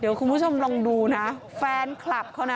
เดี๋ยวคุณผู้ชมลองดูนะแฟนคลับเขานะ